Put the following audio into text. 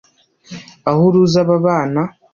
aho uruzi aba bana